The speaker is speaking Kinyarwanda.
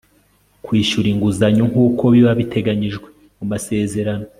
kwishyura inguzanyo nk uko biba biteganyijwe mu masezerano